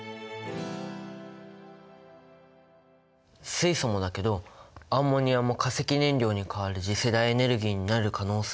水素もだけどアンモニアも化石燃料に代わる次世代エネルギーになる可能性があるんだね。